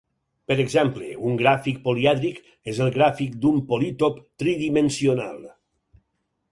Per exemple, un gràfic polièdric és el gràfic d'un polítop tridimensional.